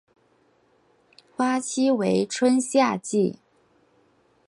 花期为春夏季。